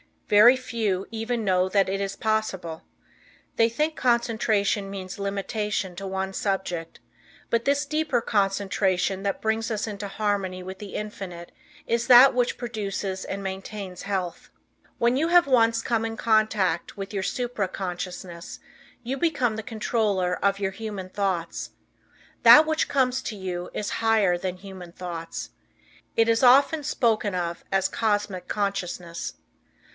Very few even know that it is possible. They think concentration means limitation to one subject, but this deeper concentration that brings us into harmony with the Infinite is that which produces and maintains health. When you have once come in contact with your supra consciousness you become the controller of your human thoughts. That which comes to you is higher than human thoughts. It is often spoken of as Cosmic Consciousness.